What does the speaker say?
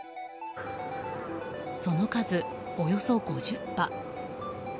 その数およそ５０羽。